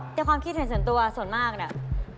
ความคิดเห็นส่วนตัวส่วนมากเนี่ย